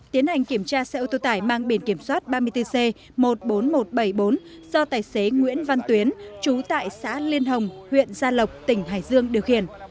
tiến hành kiểm tra xe ô tô tải mang biển kiểm soát ba mươi bốn c một mươi bốn nghìn một trăm bảy mươi bốn do tài xế nguyễn văn tuyến chú tại xã liên hồng huyện gia lộc tỉnh hải dương điều khiển